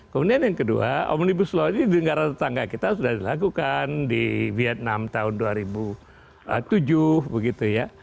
kemudian yang kedua omnibus law ini di negara tetangga kita sudah dilakukan di vietnam tahun dua ribu tujuh begitu ya